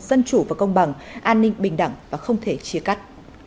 dân chủ và công bằng an ninh bình đẳng và không thể chia cắt